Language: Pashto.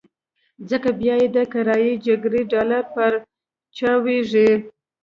ځکه بيا یې د کرايي جګړې ډالر پارچاوېږي.